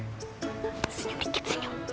senyum sedikit senyum